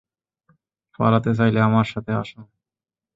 পালাতে চাইলে আমার সাথে আসো।